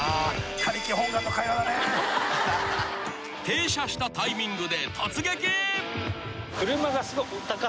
［停車したタイミングで突撃！］